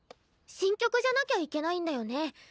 新曲じゃなきゃいけないんだよね。